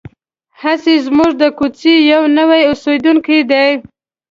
هسې زموږ د کوڅې یو نوی اوسېدونکی دی.